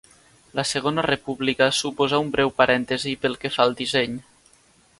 La Segona República suposà un breu parèntesi pel que fa al disseny.